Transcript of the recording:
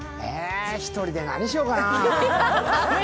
１人で何しようかなあ？